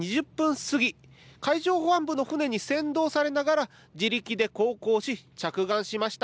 過ぎ海上保安部の船に先導されながら自力で航行し着岸しました。